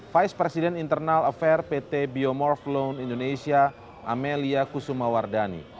vice president internal affair pt biomorph loan indonesia amelia kusumawardani